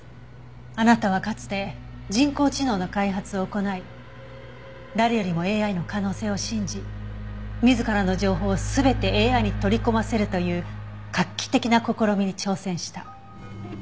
あなたはかつて人工知能の開発を行い誰よりもＡＩの可能性を信じ自らの情報を全てＡＩに取り込ませるという画期的な試みに挑戦した。